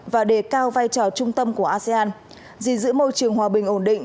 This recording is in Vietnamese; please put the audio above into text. và đề cao vai trò trung tâm của asean gìn giữ môi trường hòa bình ổn định